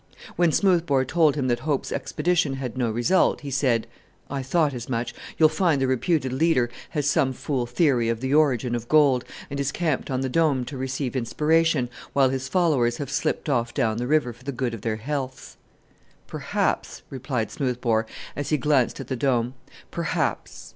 When Smoothbore told him that Hope's expedition had no result, he said, "I thought as much; you'll find the reputed leader has some fool theory of the origin of gold, and is camped on the Dome to receive inspiration, while his followers have slipped off down the river for the good of their healths." "Perhaps," replied Smoothbore as he glanced at the Dome. "Perhaps!"